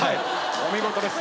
お見事です。